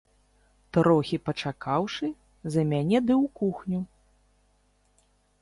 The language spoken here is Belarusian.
Трохі пачакаўшы, за мяне ды ў кухню.